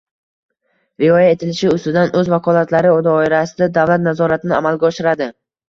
rioya etilishi ustidan o‘z vakolatlari doirasida davlat nazoratini amalga oshiradi;